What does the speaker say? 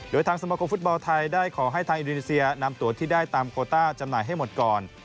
โดยทางสมคมฟุตบอลไทยได้ขอให้ทางอินโดนีเซียนำตัวที่ได้ตามโคต้าจำหน่ายให้หมดก่อน